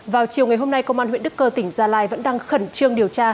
vào chiều ngày hôm nay công an huyện đức cơ tỉnh gia lai vẫn đang khẩn trương điều tra